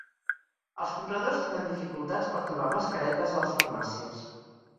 Els compradors tenen dificultats per trobar mascaretes a les farmàcies.